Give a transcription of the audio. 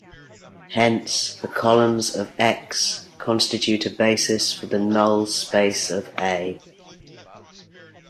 Hence, the columns of X constitute a basis for the null space of A.